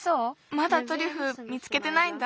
まだトリュフ見つけてないんだ。